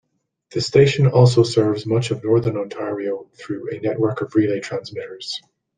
The station also serves much of Northern Ontario through a network of relay transmitters.